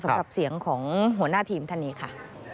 สำหรับเสียงของหัวหน้าทีมท่านนี้ค่ะ